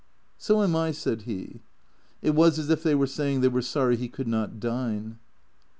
" So am I," said he. It was as if they were saying they were sorry he could not dine.